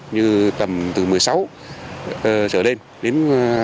như tầm từ một mươi sáu trở lên đến hai mươi hai